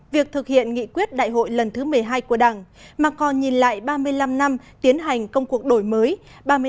việc thực hiện nghị quyết đại hội lần thứ một mươi hai của đảng mà còn nhìn lại ba mươi năm năm tiến hành công cuộc đổi mới